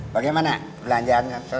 bagaimana belanjaan yang sotek